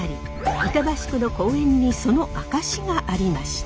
板橋区の公園にその証しがありました。